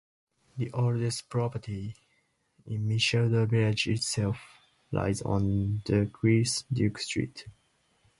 The oldest property in Micheldever village itself lies on The Crease, Duke Street.